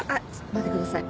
待ってください。